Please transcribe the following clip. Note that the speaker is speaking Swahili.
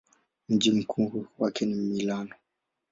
Mji mkuu wake ni Milano.